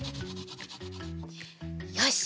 よし！